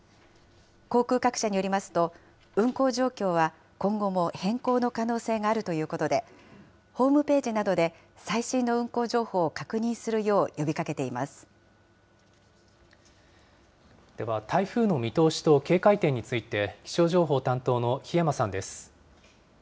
航空各社によりますと、運航状況は今後も変更の可能性があるということで、ホームページなどで最新の運航情報を確認するよう呼びでは、台風の見通しと警戒点について、気象情報担当の檜山さんです。